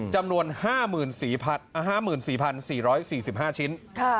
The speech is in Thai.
จำนวน๕๔๔๔๔๕ชิ้น